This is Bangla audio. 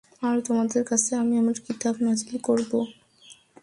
আর তোমাদের কাছে আমি আমার কিতাব নাযিল করব।